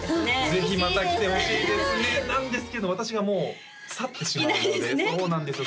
ぜひまた来てほしいですねなんですけど私がもう去ってしまうのでいないですねそうなんですよ